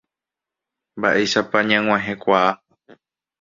Mba'éichapa ñag̃uahẽkuaa.